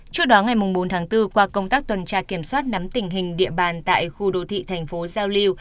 trước đó ngày bốn tháng bốn qua công tác tuần tra kiểm soát nắm tình hình địa bàn tại khu đô thị thành phố giao lưu